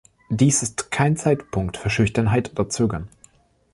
Dies ist kein Zeitpunkt für Schüchternheit oder Zögern.